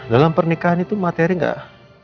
dalam pernikahan itu materi enggak